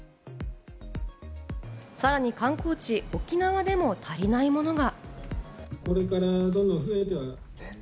さらに観光地・沖縄でも足りないものが。